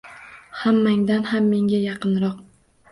Hammangdan ham menga yaqinroq.